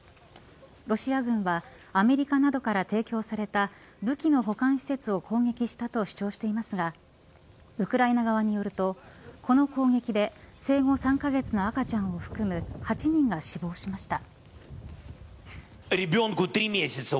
ロシア軍はアメリカなどから提供された武器の保管施設を攻撃したと主張していますがウクライナ側によるとこの攻撃で生後３カ月の赤ちゃんを含む８人が死亡しました。